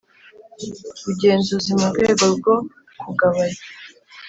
bugenzuzi mu rwego rwo kugabaya